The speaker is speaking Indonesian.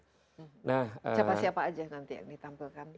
siapa siapa aja nanti yang ditampilkan